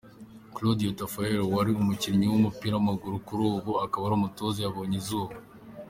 Cláudio Taffarel, wari umukinnyi w’umupiraw’amaguru kuri ubu akaba ari umutoza yabonye izuba.